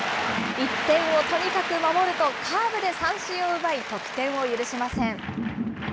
１点をとにかく守ると、カーブで三振を奪い、得点を許しません。